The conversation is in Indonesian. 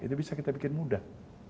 ini bisa kita bikin mudah